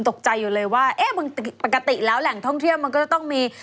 ตกใจอยู่เลยว่าเอ๊ะมึงปกติแล้วแหล่งท่องเที่ยวมันก็จะต้องมี